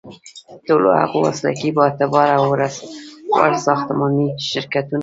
ټولو هغو مسلکي، بااعتباره او وړ ساختماني شرکتونو